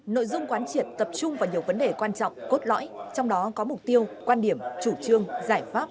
nội dung quán triệt tập trung vào nhiều vấn đề quan trọng cốt lõi trong đó có mục tiêu quan điểm chủ trương giải pháp